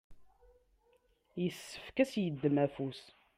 yessefk ad s-yeddem afus.